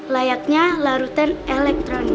layaknya larutan elektronik